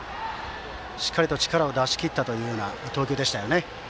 しっかりと力を出し切ったというような投球でしたね。